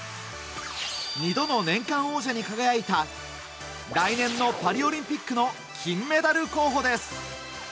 ２度の年間王者に輝いた来年のパリオリンピックの金メダル候補です。